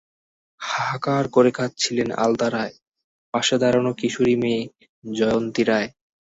হাহাকার করে কাঁদছিলেন আলতা রায়, পাশে দাঁড়ানো কিশোরী মেয়ে জয়ন্তী রায়।